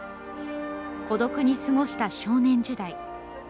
孤独に過ごした少年時代。